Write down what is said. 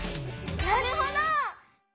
なるほど！